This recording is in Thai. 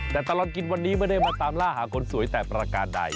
แต่ตลอดกินวันนี้ไม่ได้มาตามล่าหาคนสวยแต่ประการใด